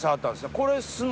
これ。